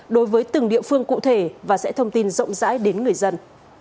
đối với từng địa phương cụ thể và sẽ thông tin rộng rãi đến người dân